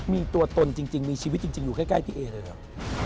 มีตัวตนจริงมีชีวิตจริงอยู่ใกล้พี่เอเลยเหรอ